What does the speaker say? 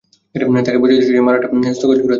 তাকে বুঝিয়ে সুজিয়ে মারামারিটা আজকে স্থগিত করে দে।